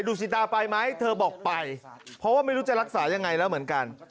สิตาไปไหมเธอบอกไปเพราะว่าไม่รู้จะรักษายังไงแล้วเหมือนกัน